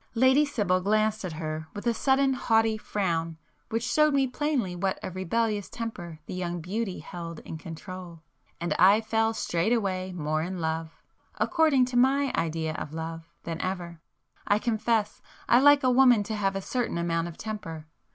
Lady Sibyl glanced at her with a sudden haughty frown which showed me plainly what a rebellious temper the young beauty held in control; and I fell straightway more in love,—according to my idea of love,—than ever. I confess I like a woman to have a certain amount of temper.